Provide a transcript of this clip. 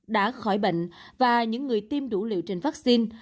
đã khỏi bệnh và những người tiêm đủ liệu trình vắc xin